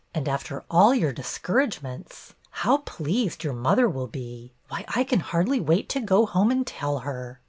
And after all your dis couragements! How pleased your mother will be! Why, I can hardly wait to go home to tell her.